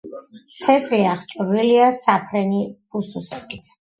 თესლი „აღჭურვილია“ საფრენი ბუსუსებით.